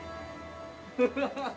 フハハハ！